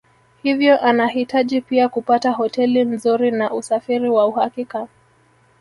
Hivyo anahitaji pia kupata hoteli nzuri na usafiri wa uhakika